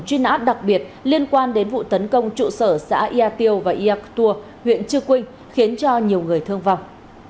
chuyên áp đặc biệt liên quan đến vụ tấn công trụ sở xã yà tiêu và yạc tùa huyện trư quynh khiến nhiều người thương vong